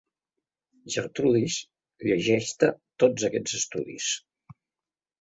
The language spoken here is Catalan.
Gertrudis, llegeix-te tots aquests estudis.